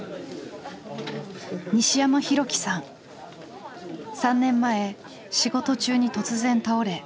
３年前仕事中に突然倒れ頚髄を損傷。